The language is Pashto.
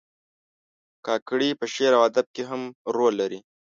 کاکړي په شعر او ادب کې هم رول لري.